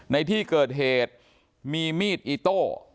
ในที่เกิดเหตุมีมีดอิโต้